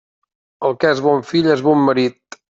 El que és bon fill és bon marit.